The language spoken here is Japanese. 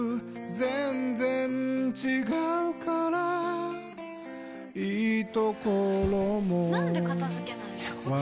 全然違うからいいところもなんで片付けないの？